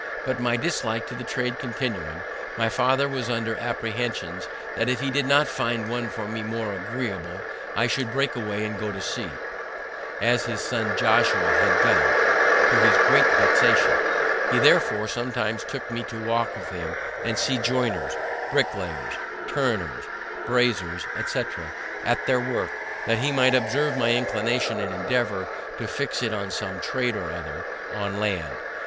But my dislike to the trade continuing, my father was under apprehensions that if he did not find one for me more agreeable, I should break away and get to sea, as his son Josiah had done, to his great vexation. He therefore sometimes took me to walk with him, and see joiners, bricklayers, turners, braziers, etc., at their work, that he might observe my inclination, and endeavor to fix it on some trade or other on land.